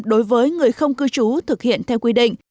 đối với người không cư trú thực hiện theo quy định